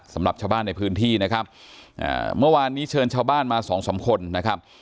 สำหรับชาวบ้านในพื้นที่นะครับอ่าเมื่อวานนี้เชิญชาวบ้านมาสองสามคนนะครับ